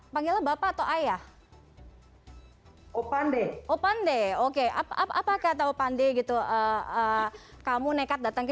panggilan bapak atau ayah hai opande opande oke apa kata opande gitu eh kamu nekat datang ke